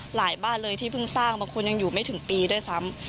บ้านเลยที่เพิ่งสร้างบางคนยังอยู่ไม่ถึงปีด้วยซ้ำ